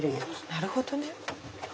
なるほどね。